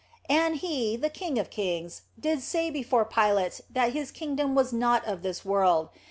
And He, the King of kings, did say before Pilate that His kingdom was not of this world.